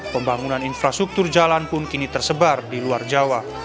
pembangunan infrastruktur jalan pun kini tersebar di luar jawa